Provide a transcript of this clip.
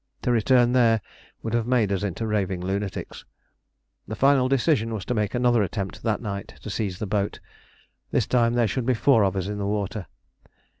To return there would have made us into raving lunatics. The final decision was to make another attempt that night to seize the boat; this time there should be four of us in the water.